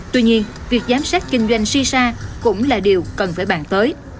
tuy nhiên việc giám sát kinh doanh shisha cũng là điều cần phải bàn tới